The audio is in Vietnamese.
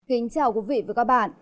kính chào quý vị và các bạn